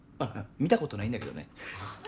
見たことないんだけどね